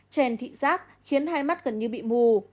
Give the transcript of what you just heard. chèn thị giác khiến hai mắt gần như bị mù